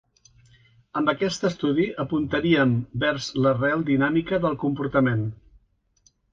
Amb aquest estudi apuntaríem vers l'arrel dinàmica del comportament.